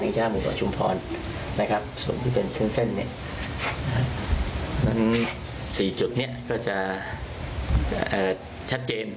ดิงจ้าหมู่เกาะชุมพรส่วนที่เป็นเส้นนี่สี่จุดนี้ก็จะชัดเจน